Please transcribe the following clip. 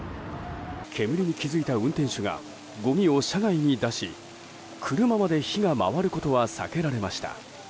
煙に気づいた運転手がごみを車外に出し車まで火が回ることは避けられました。